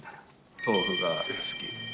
豆腐が好き。